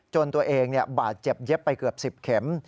ตัวเองบาดเจ็บเย็บไปเกือบ๑๐เข็ม